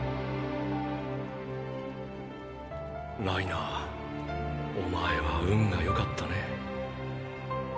ライナーお前は運が良かったね。